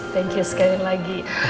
thank you sekali lagi